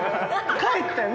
帰ったよ